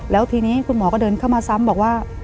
แล้วทีนี้คุณหมอก็เดินเข้ามาซ้ำบอกว่า